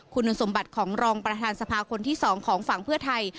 คุณสมบัติของรองประธานสภาคนที่๒ของฝั่งเพื่อไทย